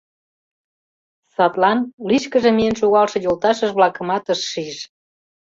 Садлан лишкыже миен шогалше йолташыж-влакымат ыш шиж.